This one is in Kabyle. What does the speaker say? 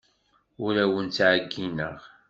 Ur awen-ttɛeyyineɣ.